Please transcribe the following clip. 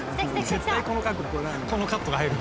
絶対このカットが入る。